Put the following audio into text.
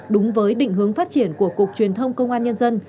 đúng với định hướng phát triển của cục truyền thông công an nhân dân